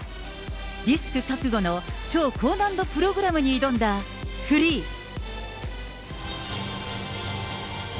リスク覚悟の超高難度プログラムに挑んだフリー。